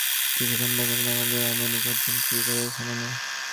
কিন্তু বন্ধুগণ, এখন আমাদের আনন্দে ক্রন্দন করিবারও সময় নাই।